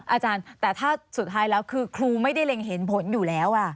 อาจารย์แต่ถ้าสุดท้ายแล้วคือครูไม่ได้เล็งเห็นผลอยู่แล้ว